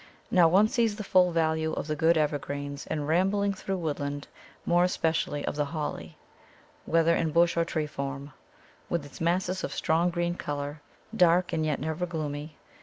Now one sees the full value of the good evergreens, and, rambling through woodland, more especially of the Holly, whether in bush or tree form, with its masses of strong green colour, dark and yet never gloomy.